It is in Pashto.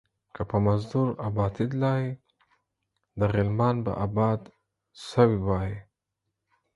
که په مزدور ابآتيدلاى ، ده غلامان به ابات سوي واى.